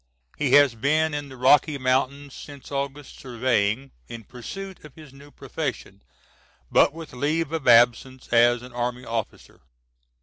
He has been in the Rocky Mountains since August surveying, in pursuit of his new profession, but with leave of absence as an army officer.